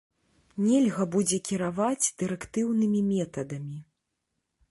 Нельга будзе кіраваць дырэктыўнымі метадамі.